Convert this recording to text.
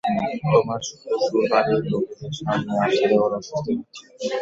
তোমার শ্বশুরবাড়ির লোকেদের সামনে আসতে ওর অস্বস্তি লাগছে।